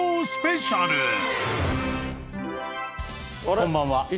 こんばんは。